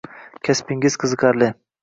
Kasbingiz qiziqarli